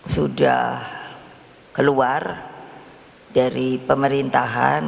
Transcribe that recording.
sudah keluar dari pemerintahan